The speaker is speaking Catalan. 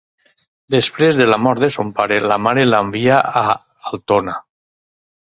Després de la mort de son pare la mare l'envia a Altona.